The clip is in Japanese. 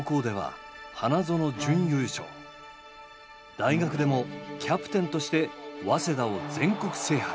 大学でもキャプテンとして早稲田を全国制覇へ。